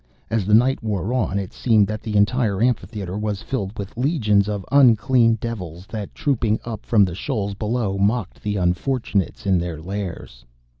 As the night wore on, it seemed that the entire amphitheatre was filled with legions of unclean devils that, trooping up from the shoals below, mocked the unfortunates in their lairs.